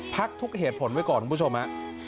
พักทุกเหตุผลไว้ก่อนคุณผู้ชมฮะ